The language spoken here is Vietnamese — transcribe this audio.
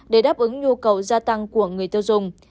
để đáp ứng nhu cầu gia tăng của người tiêu dùng